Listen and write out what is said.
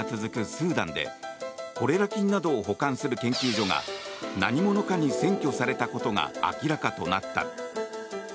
スーダンでコレラ菌などを保管する研究所が何者かに占拠されたことが明らかとなった。